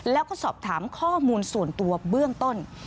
แล้วก็สอบถามข้อมูลส่วนตัวเบื้องต้น